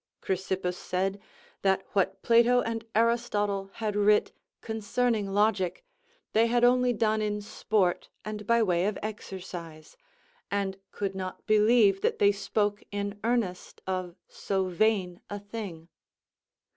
Chrysippus said "That what Plato and Aristotle had writ, concerning logic, they had only done in sport, and by way of exercise;" and could not believe that they spoke in earnest of so vain a thing.